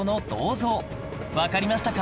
わかりましたか？